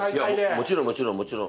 もちろん、もちろん、もちろん。